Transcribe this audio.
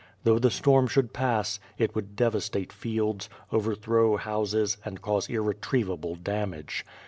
Though the storm should pass, it woubl devastate fields, overthrow houses and cause irretrievable damage.